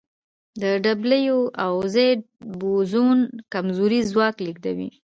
د ډبلیو او زیډ بوزون کمزوری ځواک لېږدوي.